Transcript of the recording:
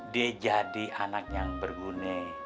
dia jadi anak yang berguna